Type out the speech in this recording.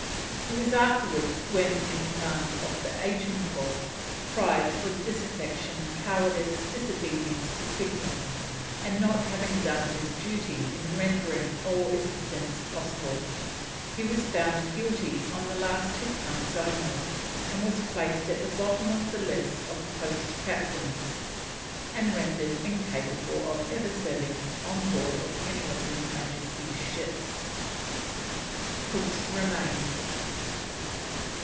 He was afterwards, when in command of the Agincourt, tried for "disaffection, cowardice, disobedience to signals, and not having done his duty in rendering all assistance possible." He was found guilty on the last two counts only, and was "placed at the bottom of the list of Post Captains, and rendered incapable of ever serving on board of any of His Majesty's ships." COOK'S REMAINS.